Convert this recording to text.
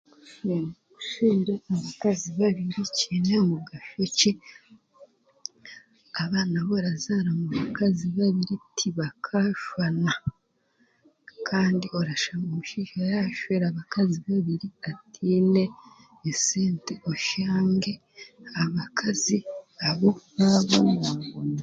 Kushwera abakazi babiri kiine mugasho ki abaana abu orazaara mu bakazi baingi tibakashushana kandi orashanga omushaija yaashwera abakazi babiri ataine esente oshange abakazi abo baabonabona.